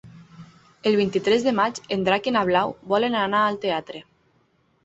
El vint-i-tres de maig en Drac i na Blau volen anar al teatre.